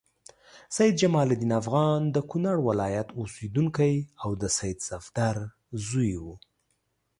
سید جمال الدین افغان د کونړ ولایت اوسیدونکی او د سید صفدر زوی و.